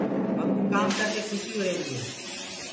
مڪوُ ڪآم ڪردي کُشي هوريري هي۔